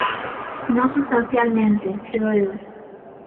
Non substancialmente, creo eu.